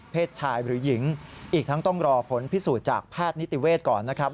ชายหรือหญิงอีกทั้งต้องรอผลพิสูจน์จากแพทย์นิติเวศก่อนนะครับ